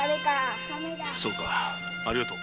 そうかいやありがとう。